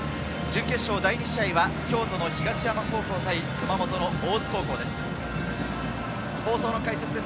第２試合は京都の東山高校対熊本の大津高校です。